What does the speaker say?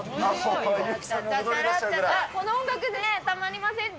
この音楽ね、たまりませんね。